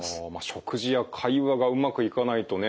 食事や会話がうまくいかないとね